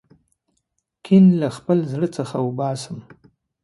کین له خپل زړه څخه وباسم.